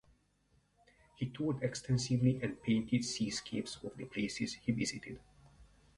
He toured extensively and painted seascapes of the places he visited.